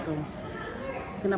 kenapa begitu pak kiai